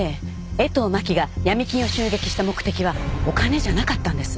江藤真紀が闇金を襲撃した目的はお金じゃなかったんです。